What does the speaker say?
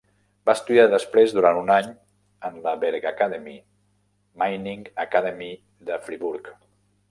Va estudiar després durant un any en la Bergakademie, Mining Academy de Friburg.